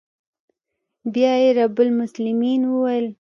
بيا يې رب المسلمين وويل.